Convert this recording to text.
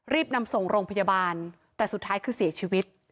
รีบนำส่งโรงพยาบาลแต่สุดท้ายคือเสียชีวิต